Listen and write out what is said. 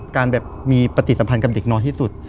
การแบบมีปฏิสัมพันธ์กับเด็กน้อยที่สุด